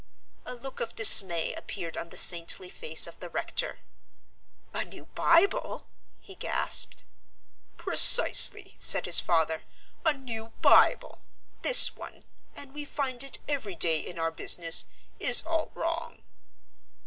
A look of dismay appeared on the saintly face of the rector. "A new Bible!" he gasped. "Precisely!" said his father, "a new Bible! This one and we find it every day in our business is all wrong."